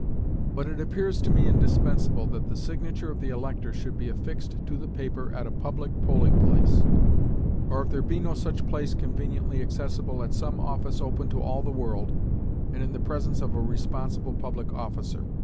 But it appears to me indispensable that the signature of the elector should be affixed to the paper at a public polling place, or if there be no such place conveniently accessible, at some office open to all the world, and in the presence of a responsible public officer.